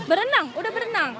berenang udah berenang